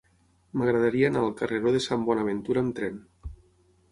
M'agradaria anar al carreró de Sant Bonaventura amb tren.